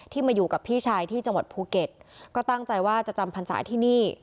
มาอยู่กับพี่ชายที่จังหวัดภูเก็ตก็ตั้งใจว่าจะจำพรรษาที่นี่